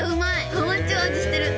はまっちゃう味してる。